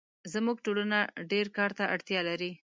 زموږ ټولنه ډېرکار ته اړتیا لري